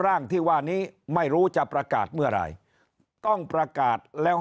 ร่างที่ว่านี้ไม่รู้จะประกาศเมื่อไหร่ต้องประกาศแล้ว